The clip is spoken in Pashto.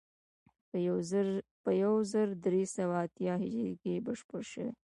په یو زر درې سوه اتیا هجري کې بشپړ شوی.